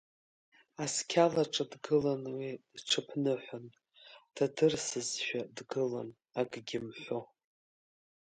Асқьалаҿы дгылан уи дҽыԥныҳәан, дадырсызшәа дгылан, акгьы мҳәа.